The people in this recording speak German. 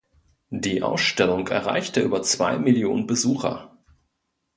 Die Ausstellung erreichte über zwei Millionen Besucher.